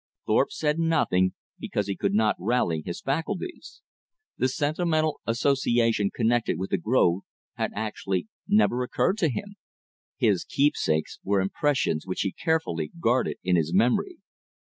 Thorpe said nothing because he could not rally his faculties. The sentimental association connected with the grove had actually never occurred to him. His keepsakes were impressions which he carefully guarded in his memory.